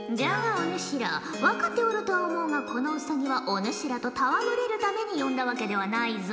お主ら分かっておるとは思うがこのウサギはお主らと戯れるために呼んだわけではないぞ。